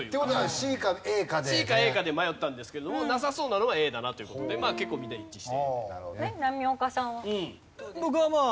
ＣかＡかで迷ったんですけどもなさそうなのはＡだなという事でまあ結構みんな一致して。